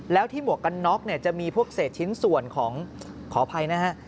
แล้วที่หมวกกันน็อกเนี่ยจะมีพวกเศษชิ้นส่วนของขออภัยนะฮะ